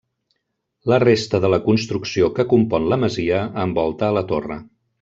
La resta de la construcció que compon la masia envolta a la torre.